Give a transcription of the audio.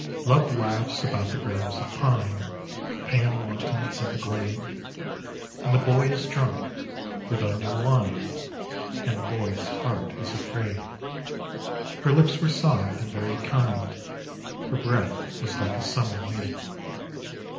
Love laughs about the groves of pine, Pan wantons in the glade, And the boy is drunk with a new wine, And the boy's heart is afraid ; Her lips were soft and very kind, Her breath was like a summer wind.